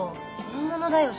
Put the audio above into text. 本物だよ。